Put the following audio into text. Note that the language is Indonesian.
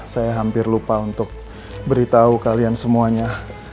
saya hampir lupa untuk beritahu kalian semuanya